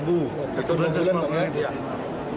harga rp lima